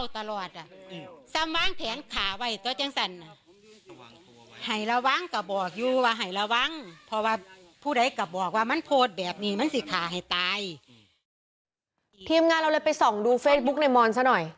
ทีมเราเลยไปส่องดูเฟซบุ๊กในมอนซะหน่อย